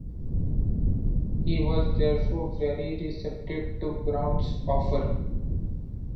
He was therefore very receptive to Brown's offer.